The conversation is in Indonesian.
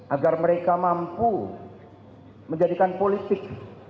agar mereka mampu menjadikan politik